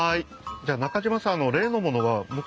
じゃあ中島さんＯＫ。